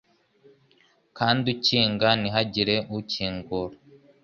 kandi ukinga ntihagire ukingura